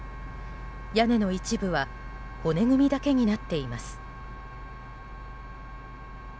屋根の一部は骨組みだけになっています。